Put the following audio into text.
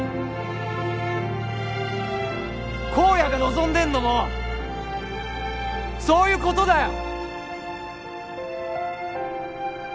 公哉が望んでんのもそういうことだよ！